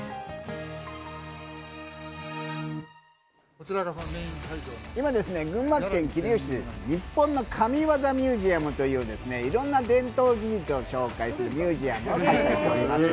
一部、にわか雨が今ですね、群馬県桐生市でニッポンの神業ミュージアムといういろんな伝統技術を紹介するミュージアムを開催しております。